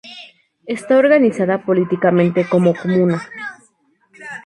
Está organizada políticamente como Comuna.